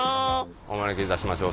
お招きいたしましょう。